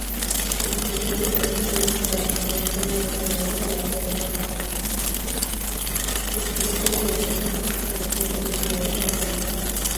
Recibió numerosos premios con la composición de una sola obra, la "Serenata" op.